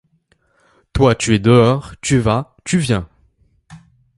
Toi tu es dehors, tu vas, tu viens.